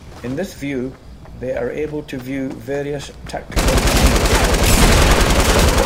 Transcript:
In this view, they are able to view various tactical indicators.